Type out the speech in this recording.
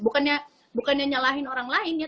bukannya nyalahin orang lain ya